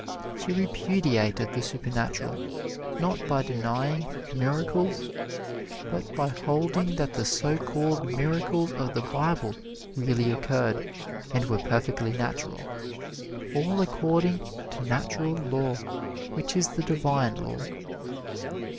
She repudiated the supernatural, not by denying "miracles," but by holding that the so called miracles of the Bible really occurred and were perfectly natural all according to Natural Law, which is the Divine Law.